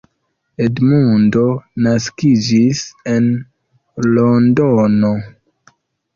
Edmundo naskiĝis en Londono.